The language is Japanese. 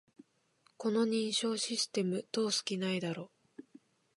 この認証システム、通す気ないだろ